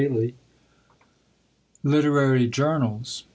] LITERARY JOURNALS.